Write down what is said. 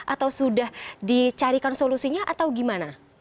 atau sudah dicarikan solusinya atau gimana